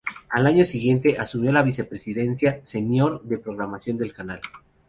El año siguiente asumió la vicepresidencia senior de programación del canal.